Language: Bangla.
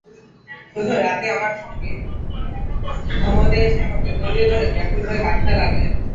শুধু রাতে আমার সঙ্গে ঘুমুতে এসে আমাকে জড়িয়ে ধরে ব্যাকুল হয়ে কাঁদতে লাগলেন।